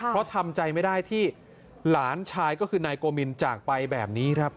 เพราะทำใจไม่ได้ที่หลานชายก็คือนายโกมินจากไปแบบนี้ครับ